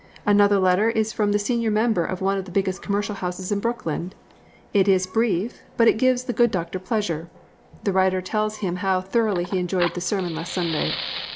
Another letter is from the senior member of one of the biggest commercial houses in Brooklyn. It is brief, but it gives the good doctor pleasure. The writer tells him how thoroughly he enjoyed the sermon last Sunday.